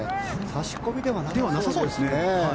差し込みではなさそうですね。